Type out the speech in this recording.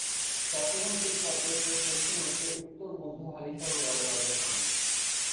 Chittagong city কর্পোরেশনের পশ্চিমাংশে উত্তর মধ্য হালিশহর ওয়ার্ডের অবস্থান।